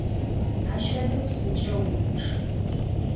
Aş fedeu psınç'eu vumıçç!